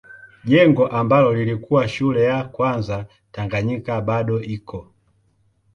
Jengo ambalo lilikuwa shule ya kwanza Tanganyika bado iko.